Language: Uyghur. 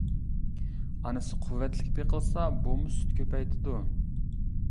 ئانىسى قۇۋۋەتلىك بېقىلسا بۇمۇ سۈت كۆپەيتىدۇ.